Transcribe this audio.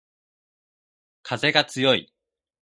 かぜがつよい